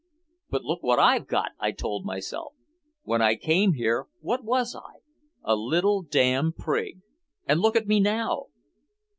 "But look what I've got!" I told myself. "When I came here what was I? A little damn prig! And look at me now!"